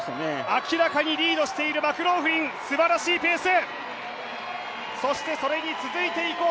明らかにリードしているマクローフリン、すばらしいペース。